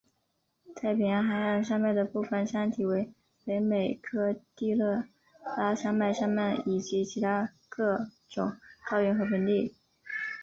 太平洋海岸山脉的部分山体为北美科迪勒拉山脉山脉以及其他各种高原和盆地。